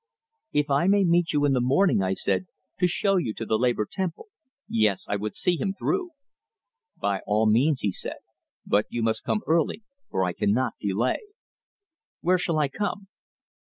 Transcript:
"If I may meet you in the morning," I said "to show you to the Labor Temple " Yes, I would see him through! "By all means," said he. "But you must come early, for I cannot delay." "Where shall I come?"